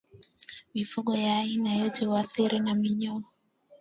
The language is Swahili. Mifugo aina zote huathirika na minyoo